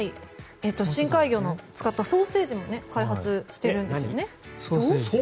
深海魚を使ったソーセージも開発しているんですよね。